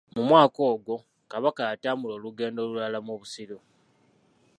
Mu mwaka ogwo Kabaka yatambula olugendo olulala mu Busiro.